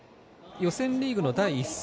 予選リーグの第１戦。